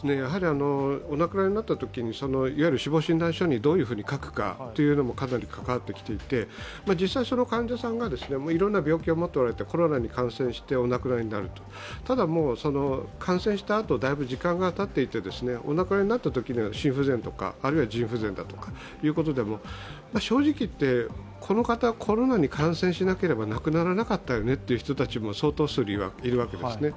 お亡くなりになったときに死亡診断書にどういうふうに書くかというのもかなり関わってきていて、実際、その患者さんがいろんな病気を持っておられて、コロナに感染してお亡くなりになるただ、感染したあとだいぶ時間がたっていてお亡くなりになったときには心不全とか腎不全だということで、正直言って、この方、コロナに感染しなければ亡くならなかったよねという人たちも相当数いるわけですね。